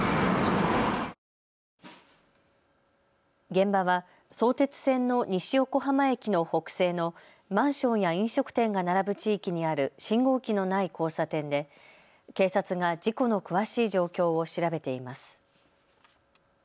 現場は相鉄線の西横浜駅の北西のマンションや飲食店が並ぶ地域にある信号機のない交差点で警察が事故の詳しい状況を調べています。